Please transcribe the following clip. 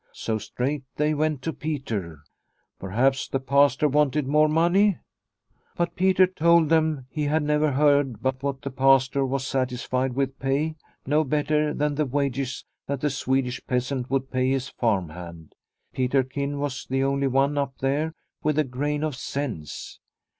So, straight they went to Peter. Perhaps the Pastor wanted more money ? But Peter told them he had never heard but what the pastor was satisfied with pay no better than the wages that a Swedish peasant would pay his farm hand. Peterkin was the only one up there with a grain of sense.